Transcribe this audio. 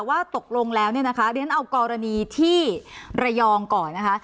ว่าตกลงแล้วดิฉันเอากรณีที่ระยองก่อนนะคะ